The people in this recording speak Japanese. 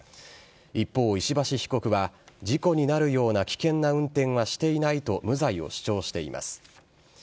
一方、石橋被告は、事故になるような危険な運転はしていないと無罪を主張しています。